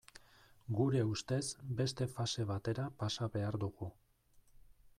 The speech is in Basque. Gure ustez, beste fase batera pasa behar dugu.